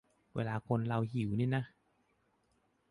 เวลาคนเราหิวนี่นะ